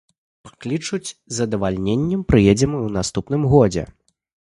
Паклічуць, з задавальненнем прыедзем і ў наступным годзе.